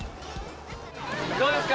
どうですか？